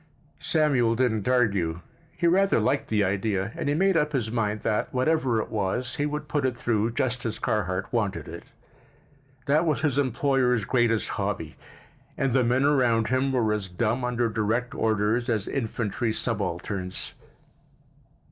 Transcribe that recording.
Samuel didn't argue. He rather liked the idea and he made up his mind that, whatever it was, he would put it through just as Carhart wanted it. That was his employer's greatest hobby, and the men around him were as dumb under direct orders as infantry subalterns.